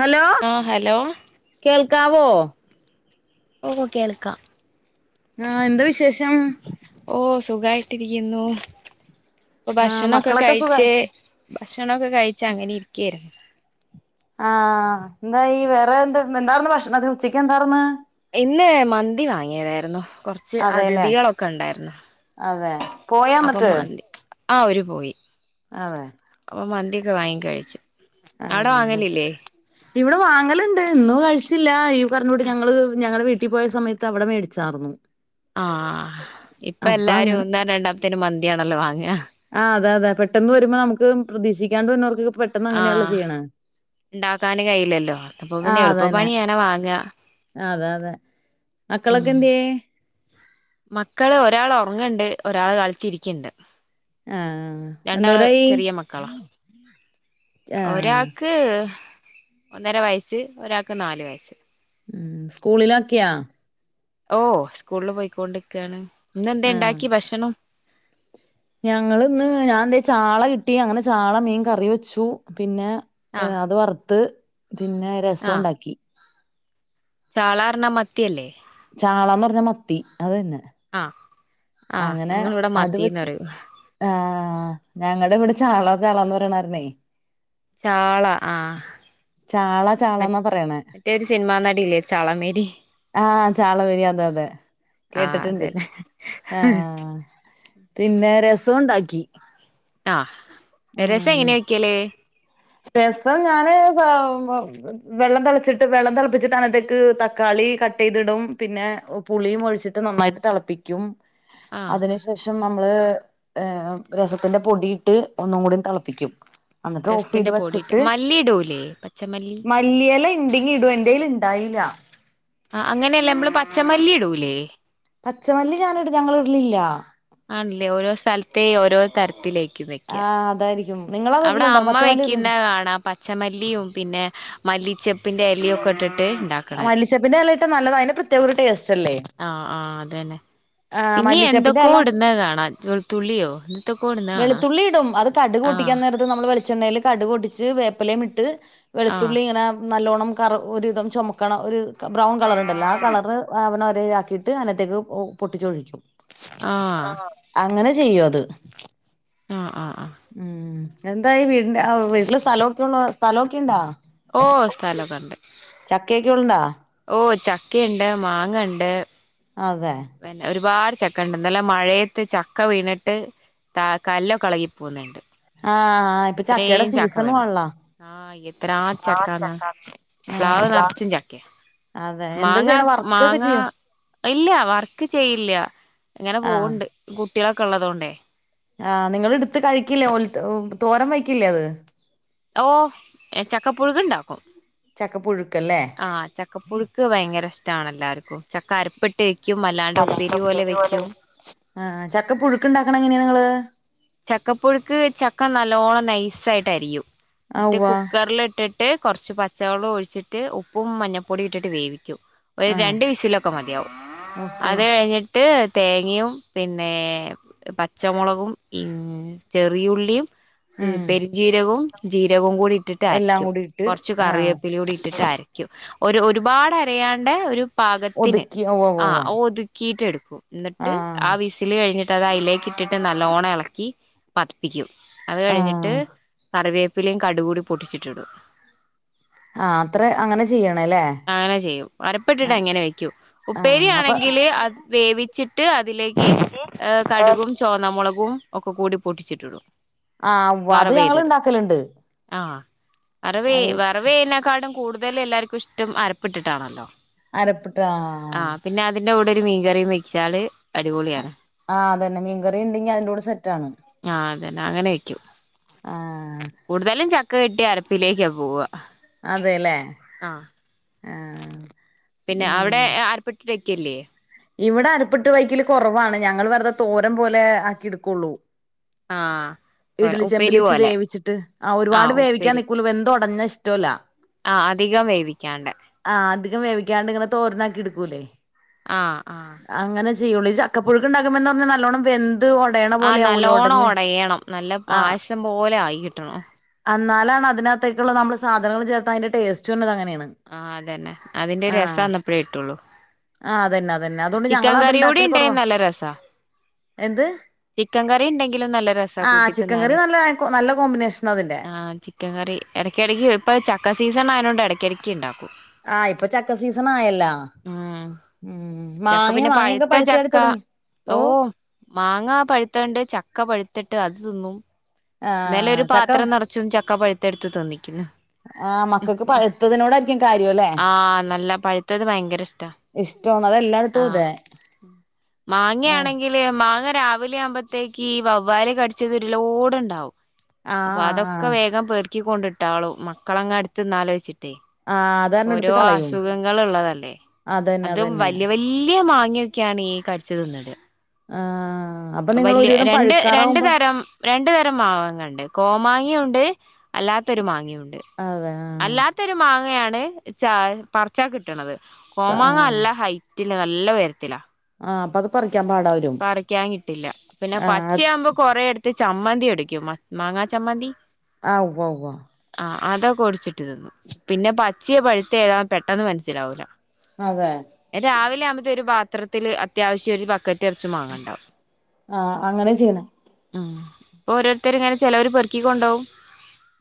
Hello ആഹ hello കേൾക്കാവോ ഓ കേൾക്കാം ആഹ് എന്താ വിശേഷം. ഓ സുഖായിട്ടിരിക്കുന്നു. ഇപ്പ ആഹ് ഭക്ഷണൊക്കെ മക്കളൊക്കെ സുഖം കഴിച്ച് ഭക്ഷണൊക്കെ കഴിച്ചങ്ങനെ ഇരിക്കായിരുന്നു. ആഹ് എന്തായി വേറെ എന്ത് എന്താർന്ന് ഭക്ഷണത്തിന് ഉച്ചക്ക് എന്താർന്ന്. ഇന്ന് മന്തി വാങ്ങിയതായിരുന്നു കുറച്ച് അതെല്ലേ അതിഥികളൊക്കെ ഉണ്ടായിരുന്നു അതെ പോയാ അപ്പൊ എന്നിട്ട് മന്തി ആ ഒരു പോയി. അതെ അപ്പ മന്തിയൊക്കെ വാങ്ങി കഴിച്ചു. അവിടെ ആഹ് വാങ്ങലില്ലേ ഇവിടെ വാങ്ങലുണ്ട്. ഇന്നും കഴിച്ചില്ല ഈ പറഞ്ഞകൂട്ട് ഞങ്ങള് ഞങ്ങളെ വീട്ടി വീട്ടിപോയ സമയത്ത് അവിടെ മേടിച്ചാർന്നു. ആഹ്, ഇപ്പാ അപ്പൊ എല്ലാരും ഒന്നാം രണ്ടാമത്തേന് മന്തിയാണല്ലോ വാ ങ്ങാ ആ അതെ, അതെ പെട്ടെന്ന് വരുമ്പോ നമുക്ക് പ്രതീക്ഷിക്കാണ്ട് വരുന്നോർക്ക് ആഹ്, ഇണ്ടാക്കാന് കഴിയില്ലല്ലോ, അപ്പൊ പിന്നെ ആഹ് എളുപ്പ അതന്നെ പണിയങ്ങനെ വാങ്ങാ അതെ അതെ മക്കളൊക്കെ ഹ്മ്മ് എന്ത്യേ മക്കള് ഒരാള് ഒ ങ്ങണ്ട്, ഒരാള് കളിച്ചിരിക്ക്ണ്ട്. ആഹ് എന്തൊരായി [inaudible] ഒരാക്ക് മ് ഒന്നര വയസ്സ് ഒരാൾക്ക് നാല് വയസ്സ്. ഹ്മ്മ് സ്കൂളിലാക്കിയാ ഓ സ്കൂളില് പോയിക്കൊണ്ടിരി ക്കാണ്. ഇന്നെന്തെ ഇണ്ടാക്കി ഭക്ഷണം ഞങ്ങള് ഇന്ന് ഞാൻന്തേ ചാള കിട്ടി. അങ്ങനെ ചാള മീൻ കറി വെച്ചു പിന്നെ ആഹ് ഏഹ് അത് വർത്ത്. പിന്നെ രസുണ്ടാക്കി. ചാളാ പറഞ്ഞ മത്തിയല്ലേ? ചാളന്ന് പറഞ്ഞാ മത്തി അതന്നെ ആഹ് ആഹ് അങ്ങനെ ഞങ്ങളിവിടെ അത് മത്തീന്ന് വെച്ചു. പറയും ആഹ് ആ ഞങ്ങള് ഇവിടെ ചാള ചാളന്ന് പറയനുണ്ടായിരുന്നേ ചാള, ആ ചാള മ ചാളന്നാ പറയണേ മറ്റെരു സിനിമ നടിയില്ലേ ചളമേരി ചാള മേരിയാ അതെയതെ. ആ അതെ ആ പിന്നെ രസുഉണ്ടാക്കി ആ രസം എങ്ങനെയ വയ്ക്കല് രസം ഞാന് വെള്ളം തിളച്ചിട്ട് വെള്ളം തിളപ്പിച്ച് അതി നത്തേക്ക് തക്കാളി കട്ട് ചെയ്തിടും പിന്നെ പുളിയും ഒഴിച്ചിട്ട് നന്നായിട്ട് തിളപ്പിക്കും ആഹ് അതിനു ശേഷം പ്പം നമ്മള് ഏ രസത്തിന്റെ പൊടിയിട്ട് ഒന്നും കൂടി തിളപ്പിക്കും അനട്ട്ഓഫ് പോടിയിട്ട് മല്ലിടൂലേ പച്ചമല്ലി ഇല ഇണ്ടെങ്കി ഇടുവോ എന്റെല് ണ്ടായില്ല ആ അങ്ങനെയല്ലേ നമ്മള് പച്ചമല്ലി ഇടൂലേ പച്ചമല്ലി ഞാന് ഇടും ഞങ്ങള വീട്ടിലില്ല ആണല്ലേ ഓരോ സ്ഥലത്തേ ഓരോ തരത്തിലേ ആ അതായിരിക്കും നിങ്ങളത് അവിടെ ഇടലുണ്ടോ അമ്മ പച്ചമല്ലി വെക്കുന്ന ഇടലുണ്ടോ കാണാ പച്ചമല്ലിയും പിന്നെ മല്ലിച്ച മല്ലിച്ചപ്പിന്റെല ഇട്ടാ നല്ലത അതിന്റെ പ്രത്യേക ഒരു ടേസ്റ്റ് അല്ലേ അന്നെ ആ പിന്നെ മല്ലിച്ചപ്പിന്റെ എന്തൊക്കോ ഇല ഇടുന്ന കാണാ വെളുത്തുള്ളിയോ എന്തോ വെളുത്തുള്ളി ഇടും അത് കടു പൊട്ടിക്കാൻ നേര ത് നമ്മൾ വെളിച്ചെണ്ണയിൽ കടു പൊട്ടിച്ച് വേപ്പലയയും ഇട്ട് ആഹ് വെളുത്തുള്ളിങ്ങനെ നല്ലോണ്ണം കറ് ഒരിധം ചുമക്കണം ഒരു ബ്രൗൺ കളർണ്ടല്ലോ ആ കളറ് അവന് ആക്കിയിട്ട് അതിനത്തേക്ക് പൊട്ടിച്ചൊഴിക്കും ആ ആഹ് അങ്ങനെ ചെയ്യോ അത് ആ ആ ഉം എന്താ ഈ വീടി വീട്ടില് സ്ഥലമോക്കെ ഉള്ള സ്ഥലമൊക്കെ ഉണ്ടാ ഓ സ്ഥലക്കെണ്ട് ചക്കയൊക്കെ ഉണ്ടോ ഓ ച ക്കണ്ട് മാങ്ങ ണ്ട് അതെ പിന്നെ ഒരുപാട് ചക്ക ഉണ്ട്ല്ല മഴയത്ത് ചക്ക വീണിട്ട് ത കല്ലൊ ളകി പോുന്നുണ്ട് ആഹ് ഇപ്പൊ ചക്കയുടെ അത്രയും ചക്ക സീസണും വേണം ആണല്ലോ ആ എത്ര ചക്കന്നാ പ്ലാവ് ആഹ് നിറച്ചും ചക്ക അതെ എന്താ മാങ്ങ ചെയ്യണ വർക്കൊക്കെ മാങ്ങ ചെയ്യോ ഇല്ല വർക്ക് ചെയ്യില്ല ഇങ്ങനെ പോണ്ട് കുട്ടികളൊക്കെ ഉള്ളതുകൊണ്ടേ ആ നിങ്ങളെടുത്ത് കഴിക്കില്ലേ തോരം വക്കില്ലേ അത് ഓ ചക്കപ്പുഴക്ണ്ടാക്കും ചക്കപ്പുഴുക്കല്ലേ ആഹ് ചക്കപ്പുഴുക്ക് ഭയങ്കര ഇഷ്ടമാണ് എല്ലാവർക്കും ചക്ക അരപ്പെട്ട് ആ ചക്ക പുുഴുക്ക് ഉണ്ടാക്കണം എങ്ങനെയാ നിങ്ങള് ചക്കപ്പുഴുക്ക് ചക്ക നല്ലോണ്ണം നൈസായിട്ട് അരിയും ആ മറ്റേ ഉവ്വ കുക്കറില ഇട്ട് ട്ട് കുറച്ച് പച്ചവെളം ഒഴിച്ചിട്ട് ഉപ്പും മഞ്ഞൾപ്പൊടും ഇട്ടിട്ട് വേവിക്കും ഒരു ആ രണ്ട് വിസിലൊക്കെ മതിയാവും ഓക്കെ അത് കഴിഞ്ഞിട്ട് തേങ്ങയും പിന്നെ പച്ചമുളകും പി ചെറിയുള്ളിയും ഉം പെരിജീരകവും ജീരകവും കൂടി ഇട്ടിട്ട് എല്ലാം ആരക്കും കൂടി ഇട്ട് കുറച്ച് ആ കറിവേപ്പില കൂടി ഇട്ടിട്ട് ആരക്കും ഒരു ഒരുപാട് അരയാണ്ട ഒരു പാകത്തിന് ഒതുക്കി ഉവ്വ ഉവ്വ ആ ഉവ്വ ഒതു കീറ്റെട് എന്നിട്ട് ആ വിസിൽ കഴിഞ്ഞിട്ട് അത്തത അതിലേക്ക് ഇട്ടിട്ട് നല്ലോണ ഇള ഈ പതിപ്പിക്കും അത് ആ കഴിഞ്ഞിട്ട് കറിവേ- പ്പിലും കടുകൂടി പൊട്ടിച്ചിട്ടിട ആ അത്ര അങ്ങനെ ചെയ്യണല്ലേ അങ്ങനെ ചെയ്യും അരപ്പിട്ടിട്ട് അ ങ്ങനെ വെക്കൂ ആ അപ്പൊ ഉപ്പേരിയാണെങ്കില് അത് വേവിച്ചിട്ട് അതിലേക്ക് ഏ കടുകും ചോന്ന മുളകും പ്പും ഒക്കെ കൂടി പൊട്ടിച്ചിട്ടടു ആ അത് ഞങ്ങള് ഇണ്ടാക്കലുണ്ട് വറവേ വറവേനെക്കാടും കൂടുത കതൽ എല്ലാർക്കും ഇഷ്ടം അരപ്പെട്ടിട്ടാണല്ലോ അരപ്പട്ടാ എന്റെ കൂടെ ഒരു മീൻകറിയും വെച്ചാല് അടിപൊളിയാണ് ആഹ് അതന്നെ മീൻകറി ഉണ്ടെങ്കി അ ആഹ അതന്നെ അങ്ങനെ വക്കും ആ കൂടുതലും ച ക്ക കിട്ടിയാ അരപ്പിലേക്കാ പോവ്വ അതേ ലേ ആ പിന്നെ അവിടെ ഉം ആർപ്പിട്ട് ക്കില്ലേ ഇവിടെ അരപ്പിട്ട് വെക്കല് കൊറവാണ് ഞങ്ങൾ വെറുതെ തോരം പോലെ ആക്കിട്ക്കുള്ളൂ ആ ഇഡ്ലി ചെമ്പിലിച്ച് വേവിച്ചിട്ട് ആ ഒരുപാട് ആഹ് വേവിക്കാൻ നിക്കൂല വെന്തൊടഞ്ഞ ഷ്ടോല്ല ആ അധികം വേവിക്കാണ്ടെ അധികം വേവിക്കാണ്ട് ഇങ്ങനെ തോരനാക്കി എടുക്കൂല്ലേ ആ ആ ചെയ്യോളി ചക്ക പുഴുക്കുണ്ടകുമ്പ ന്ന് പറഞ്ഞാ നല്ലോണം വെന്ത് ഒടയണ ആഹ് പോലെ ആവൂലേ നല്ലോണം ഒടഞ്ഞ് ഒടയണം. നല്ല ആ പായസം പോലെ ആയി കിട്ടണം. എന്നാലാണ് അതിനകത്തേക്കുള്ള നമ്മള് സാധനങ്ങൾ ചേർത്താ അതിന്റെ ടേസ്റ്റ് വരണത് അങ്ങനെ ആ അതന്നെ അതിന്റെ രസം അന്നപ്പഴേ കിട്ടുള്ളു ആ അതന്നെ അതന്നെ അതുകൊണ്ട് ഞങ്ങൾ ചിക്കൻ അത് കറി കൂടി ഉണ്ടാക്കല് ഉണ്ടെങ്കി കുറവാ നല്ല രസാ എന്ത് ചിക്കൻ കറി ഉണ്ടെങ്കിലും നല്ല രസ് ആ കൂട്ടി ചിക്കൻ കറി തിന്നാന് നല്ല നല്ല കോമ്പിനേഷൻ അതിന്റെ ആ ചിക്കൻ കറി എടക്ക് എടക്ക് ഇപ്പ ചക്ക സീസൺ ആയോണ്ട് എട ണ്ടോ ആഹ് ഇപ്പൊ ചക്ക സീസൺ ആയല്ലോ ഉം ഉം ചക്ക മാങ്ങയോ പിന്നെ മാങ്ങയൊക്കെ പഴുത്ത പഴുത്തു ചാടി ചക്ക തുടങ്ങിയോ ഓ ഒക്കെ പഴുത്തിട്ട് അത് തിന്നും. ഇന്നലെ ഒരു ആഹ് ചക്ക പാത്രം നിറച്ചും ചക്ക പഴുത്ത എടുത്ത് തിന്നിക്കുന്നു. ആ മക്കൾക്ക് പഴുത്തതിനോടായിരിക്കും കാര്യം അല്ലേ ആ നല്ല പഴുത്തത് ഭയങ്കര ഇഷ്ടാ ഇഷ്ടമാണ് അതെല്ലായിടത്തും ആഹ് അതെ ആഹ് മാങ്ങയാണെങ്കില് മാങ്ങ ആ രാവിലെയാകുമ്പഴത്തേക്ക് ഈ വൗ വ്വാല് കടിച്ചതൊരു ലോഡ് ഇണ്ടാവും. ആഹ് അപ്പോ ആഹ് അതൊക്കെ ആഹ് വേഗം പെറു റുക്കി കൊണ്ടിട്ടാളും മക്കളങ്ങ് എടുത്ത് തിന്നാലോച്ചിട്ടെ. ആഹ് അതാരണം ഓരോ എടുത്ത് കളയും അസുഖങ്ങൾ ഇള്ളതല്ലേ അതന്നെ അതും അതന്നെ വല്ല്യവല്ല്യ മാങ് ങ്ങനൊക്കെയാണ് ഈ കടിച്ചു തിന്നല്. ആഹ് അപ്പൊ നിങ്ങൾ വലിയ ഒരുവിധം രണ്ട് രണ്ട് പഴുക്കാറാവുമ്പോ തരം രണ്ടു തരം മാവാങ്ങാണ്ട് കോമാങ്ങയും ഉണ്ട്. അല്ലാത്തൊരു മാങ്ങെയു ണ്ട് അതെ ആഹ് അല്ലാത്തൊരു മാങ്ങയാ ണ് ചാ പറ്ച്ചാ കിട്ട്ണത് കോമാങ്ങ ആഹ് നല്ല ഹൈ റ്റില്ല നല്ല ഉയരത്തിലാ ആ അപ്പത് പറി പറിക്കാൻ കിട്ടില്ല പിന്നെ ആഹ് പച്ചയാകുമ്പോ കൊറെ എടുത്ത് ചമ്മന്തി ഇടിക്കും മ മാങ്ങാ ചമ്മന്തി ആ ഉവ്വ്ഉവ്വ ആ അതൊക്കെ ഒടിച്ചിട്ട് തിന്നും പിന്നെ പച്ചിയെ പഴുത്ത ഏതാ പെട്ടെന്ന് മനസ്സിലാവൂല അതെ രാവിലെ ആമ്പത്തേ ഒരു ഭാ ത്രത്തില് അത്യാവശ്യം ഒരു ബക്ക തെർച്ചു മാങ്ങണ്ടാവും ആ അങ്ങനെ ചെയ്യ്ണേ ആ പ്പൊ ഓരോരുത്തര്ങ്ങനെ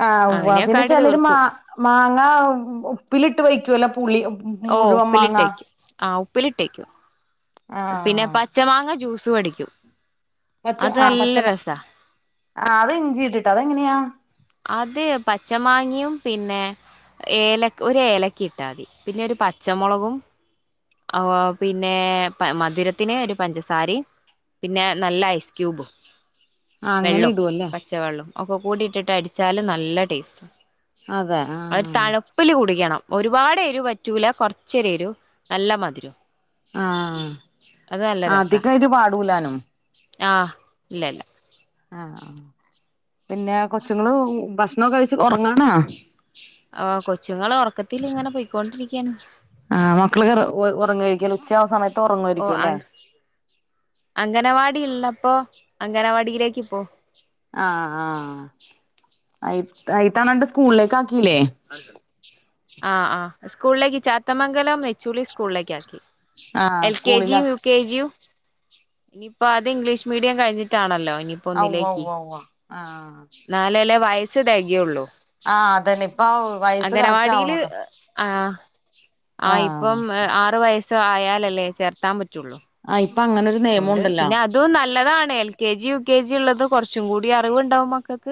ആ ഉവ്വാ അങ്ങനെയൊക്കെ പിന്നെ ആയിട്ട് ചെലര് മാ തീർക്കും മാങ്ങ ഉപ്പിലിട്ട് വയ്യ് ല പുളി മു മുഴുവൻ മാങ്ങ ട്ടേക്കും പിന്നെ ആഹ് പച്ച മാങ്ങ ജ്യൂസ് സും അടിക്കും പച്ച അത് ആ നല്ല പച്ചമ രസാ ആ അത് ഇഞ്ചിട്ടിട്ട് അതെങ്ങനാ അത് പച്ച മാങ്ങയും പിന്നെ ഏല ഒരു ഏലക്ക ഇട്ടാതി പിന്നെ ഒരു പച്ചമുളകും ആ പിന്നെ മധുരത്തിന് ഒരു പഞ്ചസാാരയും പിന്നെ നല്ല ഐസ്ക്യൂബും ആ അങ്ങനെ ഇടുവല്ലേ ഒക്കെ കൂടിട്ട് ട്ട് അടി ച്ചാല് നല്ല ടേസ്റ്റാ അതെ അത് ആഹ് തണുപ്പ്ല് കുടിക്കണം ഒരുപാടെരു പറ്റൂല കൊറച്ചൊരെരു നല്ല മധുരും ആ അതികെരു പാടൂലാനും ആ ഇല്ലല്ല ആ ആ പിന്നെ കൊച്ചുങ്ങള് ഭക്ഷണംക്കെ കഴിച്ച് ഉറങ്ങാണോ ആ കൊച്ചുങ്ങളെ ഉറക്കത്തില് ഇങ്ങനെ പൊയ്കൊണ്ടിരി എൻ ആ മക്കള് റ ഉറ ഉ ഉറങ്ങായിരിക്കും ഉച്ച ആവുന്ന സമയ ഓ അം അംഗനവാടി ടിള്ളപ്പോ അംഗനവാടീലേക്ക് പോം ആ ആ അയിത്ത അയിത്തണണ്ട് സ്കൂളിലേക്ക് ആ ഇല്ലേ ആ ആ സ്കൂളിലേക്ക് ചാത്തമംഗലം നെച്ചൂളി സ്കൂളിലേക്ക് ആക്കി ആഹ് എൽ കെ ജിയും യു സ്കൂളിലാക്കി കെ ജിയും ഇനിയിപ്പോ അത് ഇംഗ്ലീഷ് മീഡിയം കഴിഞ്ഞിട്ടാണല്ലോ ഔഔ ഔആ ആഹ് ന്നാലല്ലേ വയസ് സ് തെകയൊള്ളൂ ആഹ് അതന്നിം അംഗനവാടില് ആ ആ ഇപ്പം ആഹ് ആറു വയസ് ആയാലല്ലേ ചേർത്താൻ പറ്റുള്ളൂ ആഹ് ഇപ്പൊ അങ്ങനൊരു നിയമം അതൊണ്ട് ഉണ്ടല്ലോ പിന്നെ അതും നല്ലതാണ് L K G U K G ഉള്ളത് കുറച്ചു കൂടി അറിവ്ണ്ടാവും മക്കള്ക്ക്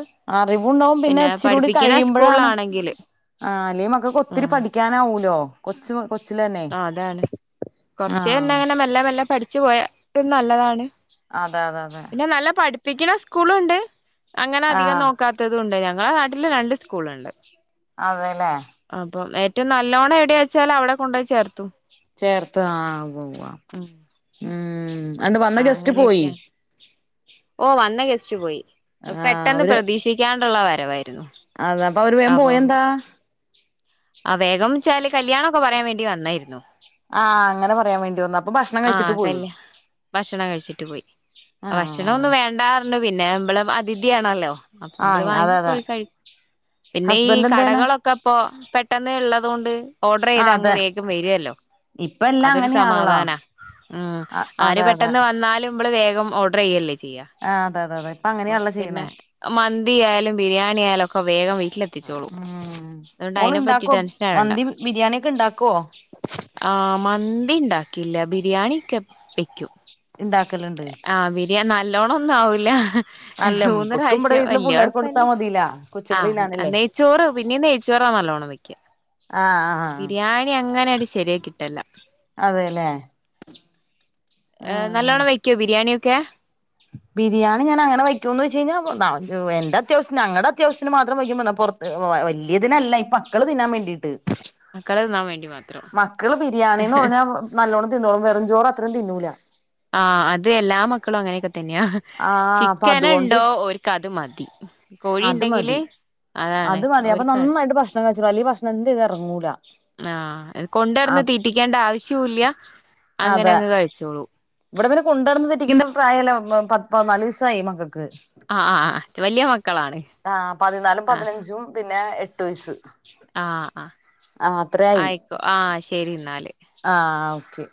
അറിവുണ്ടാവും പിന്നെ ഇച്ചിരി കൂടി കഴിയുമ്പോഴാണ് സ്കൂളിലാണെങ്കില് ആ അല്ലേ മക്കക്ക് ഒത്തിരി പഠിക്കാനാവൂലോ കൊച്ച് മക ആ അതാണ് കൊറച്ച് പിന്നെ ആഹ് അങ്ങനെ മെല്ലെ മെല്ലെ പഠിച്ചു പോയ ഇത് നല്ലതാണ് അതെ അതെ അതെ പിന്നെ നല്ല പഠിപ്പിക്കണ സ്കൂളുണ്ട് അങ്ങനെ അധികം ആഹ് നോക്കാത്തത്ണ്ട് ഞങ്ങടെ നാട്ടില് രണ്ട് സ്കൂളുണ്ട് അതെല്ലേ നല്ലവണം എവിടെയാ വച്ചൽ അവിടെ കൊണ്ട്പോയി ചേർത്തു ചേർത്ത് ആ ഉവ് ഉവാ ഉം രണ്ട് വന്ന ഗസ്റ്റ് പോയി അങ്ങനെയൊക്കെയാണ് ഓ വന്ന ഗസ്റ്റ് പോയി അയ് ആഹ് പെട്ടെന്ന് പ്രതീക്ഷിക്കാണ്ടുള്ള വര വായിരുന്നു അത് അപ്പ അവര് വം പോയെ എന്താ ആ വേഗംന്ന്ച്ചാല് കല്യാണ ഒക്കെ പറയാൻ വേണ്ടി വന്നായിരുന്നു ആഹ് അങ്ങനെ പറയാൻ വേണ്ടി വന്നു അപ്പൊ ഭക്ഷണം ആ കഴിച്ചിട്ട് പോയി കല്യാ ഭക്ഷണം കഴിച്ചിട്ട് പോയി ഭക്ഷണം ആഹ് ഒന്നും വേണ്ടാ പർണു പിന്നെ നമ്മൾ അതിഥി ആണല്ലോ അപ്പം മ്മൾ ആഹ് അതെ അതെ വാങ്ങികൊട് കഴി പിന്നെ ഈ ഹസ്ബൻഡ് എന്താണ് കടകളൊക്കെ ഇപ്പൊ ത്തെന്നെ ഇള്ളതോണ്ട് ഓർഡർ ചെയ്താ ആഹ് അങ്ങ് അതെ വേഗം വെരൊല്ലോ ഇപ്പ എല്ലാം അതൊരു അങ്ങനെയാണല്ലോ സമാധാനാ ഉം അ ആര് അതെ അതെ പെട്ടെന്ന് വന്നാലും ഇമ്മൾ വേഗം ഓഡർ ചെയ്യല്ലെ ചെയ്യാ. ആഹ് അതെ അതെ അതെ ഇപ്പൊ അപ്പൊ അങ്ങനെയാണല്ലോ പിന്നെ ചെയ്യണേ മന്തി ആയാലും ബിരിയാണി ആയാലും ഒ ഇപ്പ വേഗം വെ ട്ടിൽ എത്തിച്ചോളും ഉം അയുകൊണ്ട് മോള് അയിനെ ഇണ്ടാക്കോ മന്തി ബിരിയാണി ഒക്കെ ഇണ്ടാക്കോ ഇല്ല ബിരിയാണി ഒക്കെ വെക്കും ഉണ്ടാക്കലുണ്ട് നല്ലോണൊന്നും ആവൂല്ല മൂന്ന് ഇബക്കും ഇവിടെ പ്രാവശ്യം വീട്ടില് വല്യ പിള്ളേർക്ക് കൊടുത്താ കൊഴപ്പോല്ല മതിലാ കൊച്ചുങ്ങള് ആഹ് തിന്നാനല്ലേ നെയ്ച്ചോറ് പിന്നെയും നെയ്ച്ചോറാ നല്ലോണം വെയ് ആഹ് ആഹ് ബിരിയാണി അങ്ങനെ ഒരു ശരിയായി കിട്ടലില്ല അതെല്ലേ ആഹ് നല്ലോണം വെക്കുവോ ബിരിയാണി [unintelligible] ബിരിയാണി ഞാൻ അങ്ങനെ വയ്ക്കുമോ എന്ന് വെച്ച് കഴിഞ്ഞാ എന്റെ അത്യാവശ്യത്തിന് ഞങ്ങടെ അത്യാവശ്യത്തിന് മാത്രം വയ്ക്കും ന്നാ പുറത് വലിയിതിനല്ല മക്കള് തിന്നാൻ വേണ്ടിട്ട് മക്കള് തിന്നാൻ വേണ്ടി മാത്രം മക്കള് ബിരിയാണിന്ന് പറഞ്ഞാൽ നല്ലോണ്ണം തിന്നോളും വെറും ചോറ് അത്രേം തിന്നൂല തന്നെയ ആഹ് അപ്പൊ ചിക്കൻ അതുകൊണ്ട് ഉണ്ടോ ഓരുക്ക് അത് മതി കോഴി അത് ഉണ്ടെങ്കില് മതി അതാണ് ഓരുക്ക് വലിയ ഭക്ഷണം എന്തേയ്‌ത ഇറങ്ങൂല ആഹ് കൊണ്ടടന്ന് തീറ്റിക്കേണ്ട ആവശ്യൊല്ല അങ്ങനെ അതെ അങ്ങ് കഴിച്ചോളും ഇവിടെ പതിനാലുവയസായി മക്ക- ക്ക്‌ വലിയ മക്കളാണ് ആ പതിനാലും ആഹ് പതിനഞ്ചും പിന്നെ എ എട്ട് വയസ് ആഹ് ആഹ് ആയിക്കോ ആഹ് ശരി എന്നാല് ആഹ് ഓക്കെ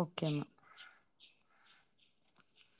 ഓക്കെന്ന